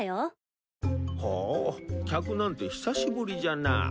ほう客なんて久しぶりじゃな。